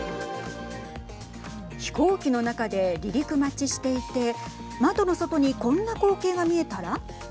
飛行機の中で離陸待ちしていて窓の外にこんな光景が見えたら。